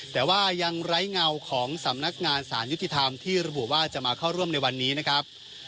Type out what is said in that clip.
แต่ว่ายังไร้เงาของสำนักงานสารยุติธรรมที่ระบุว่าจะมาเข้าร่วมในวันนี้นะครับ